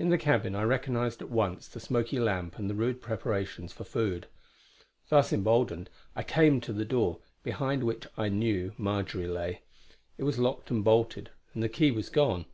In the cabin I recognised at once the smoky lamp and the rude preparations for food. Thus emboldened, I came to the door, behind which I knew Marjory lay. It was locked and bolted, and the key was gone.